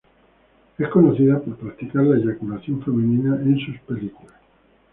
Es conocida por practicar la eyaculación femenina en sus películas.